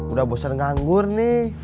udah bosan nganggur nih